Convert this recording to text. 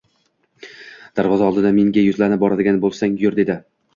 Darvoza oldida menga yuzlanib, boradigan bo‘lsang, yur, dedi